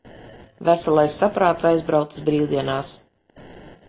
Veselais saprāts aizbraucis brīvdienās.